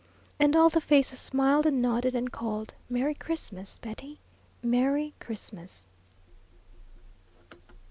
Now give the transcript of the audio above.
And all the faces smiled and nodded, and called, "Merry Christmas, Betty, Merry Christmas!"